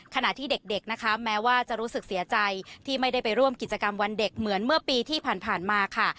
ขณะที่เด็กนะคะแม้ว่าจะรู้สึกเสียใจที่ไม่ได้ไปร่วมกิจกรรมวันเด็กเหมือนเมื่อปีที่ผ่านมาค่ะ